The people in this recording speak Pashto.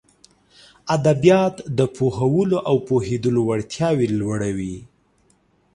ادبيات د پوهولو او پوهېدلو وړتياوې لوړوي.